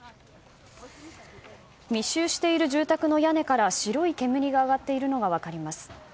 密集している住宅の屋根から白い煙が上がっているのが分かります。